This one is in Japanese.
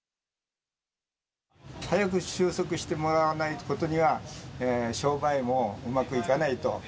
早く収束してもらわないことには、商売もうまくいかないと。